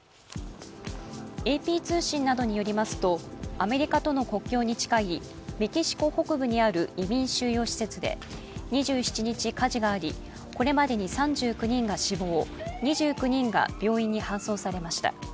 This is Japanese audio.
ＡＰ通信などによりますと、アメリカとの国境に近いメキシコ北部にある移民収容施設で２７日火事があり、これまでに３９人が死亡、２９人が病院に搬送されました。